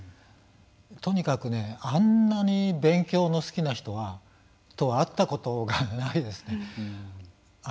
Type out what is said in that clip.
とにかく、あんなに勉強の好きな人と会ったことがないですね。